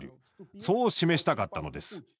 そう示したかったのです。